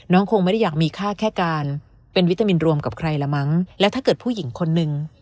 คงไม่ได้อยากมีค่าแค่การเป็นวิตามินรวมกับใครละมั้งและถ้าเกิดผู้หญิงคนนึง